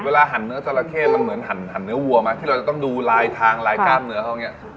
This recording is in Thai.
หั่นเนื้อจราเข้มันเหมือนหันเนื้อวัวไหมที่เราจะต้องดูลายทางลายกล้ามเนื้อเขาอย่างนี้